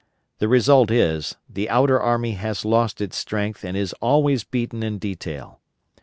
The result is, the outer army has lost its strength and is always beaten in detail.